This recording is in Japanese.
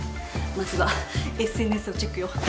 まずはＳＮＳをチェックよ。